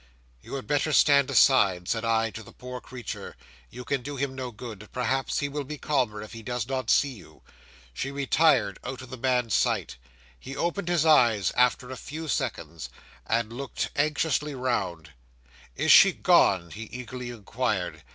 "You had better stand aside," said I to the poor creature. "You can do him no good. Perhaps he will be calmer, if he does not see you." She retired out of the man's sight. He opened his eyes after a few seconds, and looked anxiously round. '"Is she gone?" he eagerly inquired.